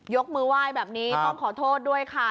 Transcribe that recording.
ยกมือไหว้แบบนี้ต้องขอโทษด้วยค่ะ